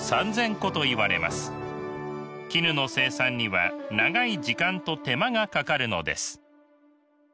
絹の生産には長い時間と手間がかかるのです。